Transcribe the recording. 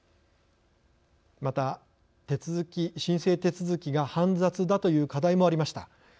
また、申請手続きが煩雑だという課題もありました。